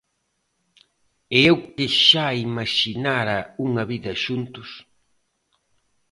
E eu que xa imaxinara unha vida xuntos!